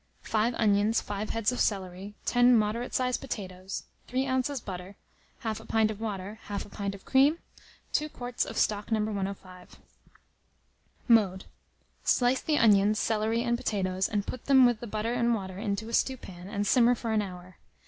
5 onions, 5 heads of celery, 10 moderate sized potatoes, 3 oz. butter, 1/2 pint of water, 1/2 pint of cream, 2 quarts of stock No. 105. Mode. Slice the onions, celery, and potatoes, and put them with the butter and water into a stewpan, and simmer for an hour.